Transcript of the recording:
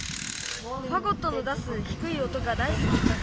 ファゴットの出すひくい音が大すき。